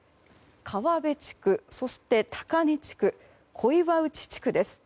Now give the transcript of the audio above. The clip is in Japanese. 川部地区、そして高根地区小岩内地区です。